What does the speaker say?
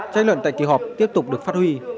tranh luận tại kỳ họp tiếp tục được phát huy